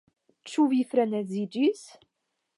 Ĉu vi freneziĝis?